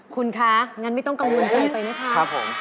คุณคะงั้นไม่ต้องกังวลใจไปนะคะผม